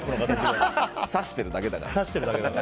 刺してるだけだから。